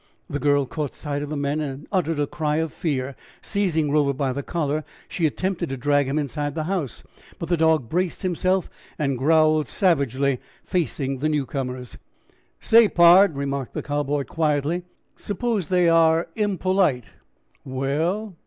The girl caught sight of the men and uttered a cry of fear. Seizing Rover by the collar, she attempted to drag him inside the house, but the dog braced himself and growled savagely, facing the newcomers. "Say, pard," remarked the Cowboy quietly, "suppose they are impolite?" "Well."